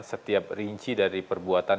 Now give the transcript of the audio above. setiap rinci dari perbuatan